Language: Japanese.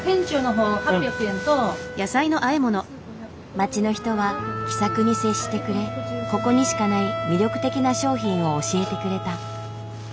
街の人は気さくに接してくれここにしかない魅力的な商品を教えてくれた。